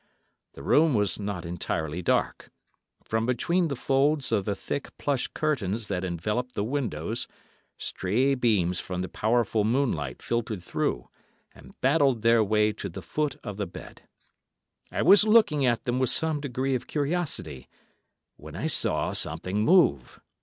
The room was not entirely dark; from between the folds of the thick plush curtains that enveloped the windows stray beams from the powerful moonlight filtered through and battled their way to the foot of the bed. I was looking at them with some degree of curiosity, when I saw something move.